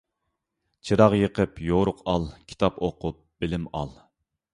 چىراغ يېقىپ يورۇق ئال، كىتاب ئوقۇپ بىلىم ئال.